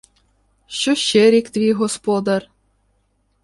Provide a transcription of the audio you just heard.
— Що ще рік твій господар?